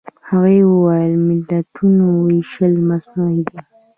هغوی ویل ملتونو وېشل مصنوعي دي.